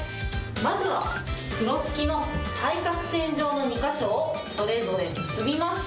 まずは、風呂敷の対角線上の２か所を、それぞれ結びます。